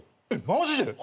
マジで？